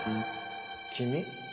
君？